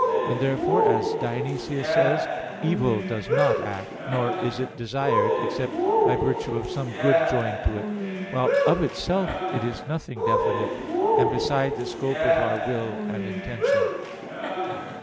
And therefore, as Dionysius says (Div. Nom. iv): "Evil does not act, nor is it desired, except by virtue of some good joined to it: while of itself it is nothing definite, and beside the scope of our will and intention."